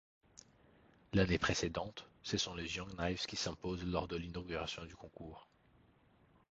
L'année précédente, ce sont les Young Knives qui s'imposent lors de l'inauguration du concours.